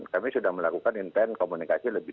kami sudah melakukan intent komunikasi lebih